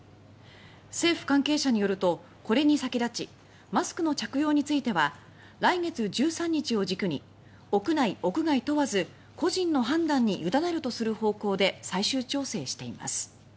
政府関係者によるとこれに先立ちマスクの着用については来月１３日を軸に屋内・屋外問わず個人の判断に委ねるとする方向で最終調整しています。